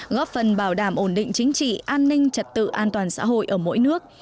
góp phần bảo đảm ổn định chính trị an ninh trật tự an toàn xã hội ở mỗi nước